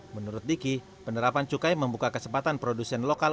menurut diki penerapan cukai membuka kesempatan produsen lokal